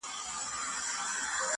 له زلمیو خوښي ورکه له مستیو دي لوېدلي.!